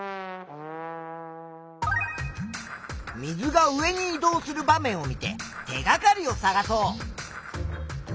水が上に移動する場面を見て手がかりを探そう。